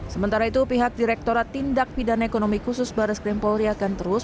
sementara itu pihak direkturat tindak pidana ekonomi khusus baris krim polri akan terus